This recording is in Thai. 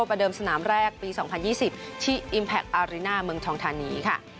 ประเดิมสนามแรกปีสองพันยี่สิบที่อิมแพคอารีน่าเมืองทองทานีค่ะ